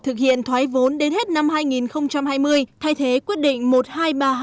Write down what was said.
thực hiện thoái vốn đến hết năm hai nghìn hai mươi thay thế quyết định một nghìn hai trăm ba mươi hai